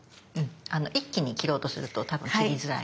一気に切ろうとすると多分切りづらい。